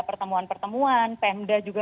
pertemuan pertemuan pemda juga